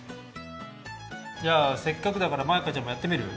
じゃあせっかくだからマイカちゃんもやってみる？